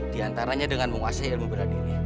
di antaranya dengan menguasai ilmu bela diri